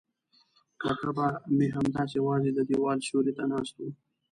کاکا به مې همداسې یوازې د دیوال سیوري ته ناست و.